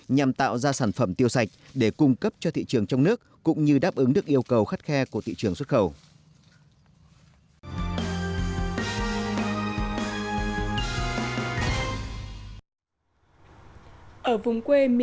nhằm tạo ra sản phẩm tiêu sạch để cung cấp cho thị trường trong nước cũng như đáp ứng được yêu cầu khắt khe của thị trường xuất khẩu